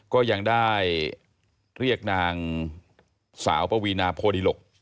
ก็ยังได้เรียกนางสาวปวีนาโพดิหลก